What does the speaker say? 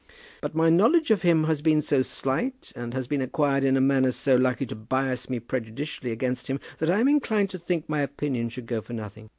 But my knowledge of him has been so slight, and has been acquired in a manner so likely to bias me prejudicially against him, that I am inclined to think my opinion should go for nothing.